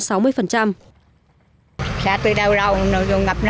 xã tuy đầu đâu nó vừa ngập nữa